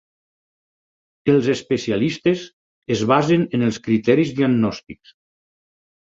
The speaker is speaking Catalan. Els especialistes es basen en els criteris diagnòstics.